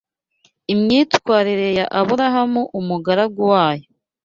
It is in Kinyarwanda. imyitwarire ya Aburahamu umugaragu wa Yo